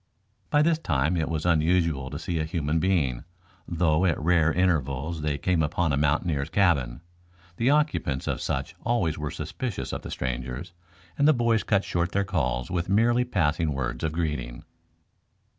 By this time it was unusual to see a human being, though at rare intervals they came upon a mountaineer's cabin. The occupants of such always were suspicious of the strangers, and the boys cut short their calls with merely passing words of greeting.